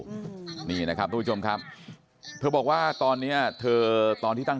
อืมนี่นะครับทุกผู้ชมครับเธอบอกว่าตอนเนี้ยเธอตอนที่ตั้ง